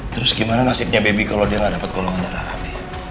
terus gimana nasibnya baby kalau dia gak dapet golongan darah ab